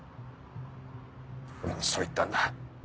俺にそう言ったんだ。